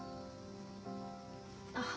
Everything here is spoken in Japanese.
あっ。